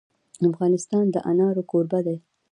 افغانستان د انار کوربه دی.